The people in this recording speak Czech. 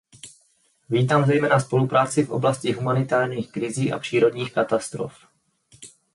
Vítám zejména spolupráci v oblasti humanitárních krizí a přírodních katastrof.